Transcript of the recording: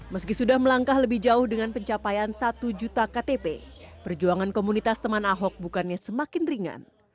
meski sudah melangkah lebih jauh dengan pencapaian satu juta ktp perjuangan komunitas teman ahok bukannya semakin ringan